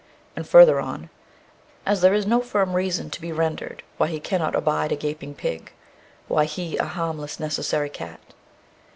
and further on: As there is no firm reason to be rendered Why he cannot abide a gaping pig, Why he, a harmless necessary cat.